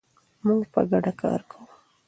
موږ په ګډه کار کوو.